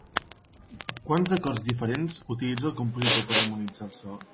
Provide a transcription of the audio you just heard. Quants acords diferents utilitza el compositor per harmonitzar el so?